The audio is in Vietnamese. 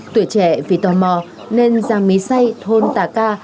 tuyệt trẻ vì tò mò nên giang mỹ say thôn tà ca